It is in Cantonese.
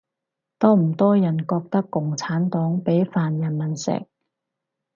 多唔多人覺得共產黨畀飯人民食